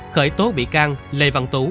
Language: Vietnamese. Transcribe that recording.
khởi tố bị can lê văn tú